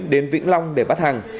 đến vĩnh long để bắt hàng